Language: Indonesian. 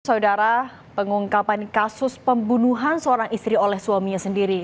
saudara pengungkapan kasus pembunuhan seorang istri oleh suaminya sendiri